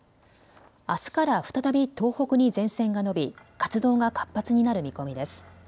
あすから再び東北に前線が延び活動が活発になる見込みです。